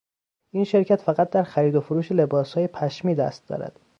این شرکت فقط در خرید و فروش لباسهای پشمی دست دارد.